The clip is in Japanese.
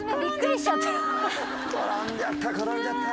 転んじゃった転んじゃった。